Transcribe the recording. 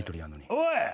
「おい！